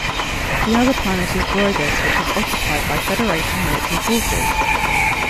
The other planet is Broygus which is occupied by the Federation military forces.